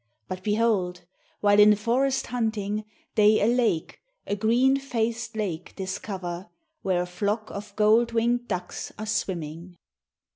But, behold! while in the forest hunting, They a lake, a green faced lake, discover. Where a flock of gold wing'd ducks are swimming.